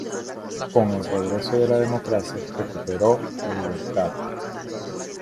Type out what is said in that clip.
Con el regreso de la democracia recuperó la libertad.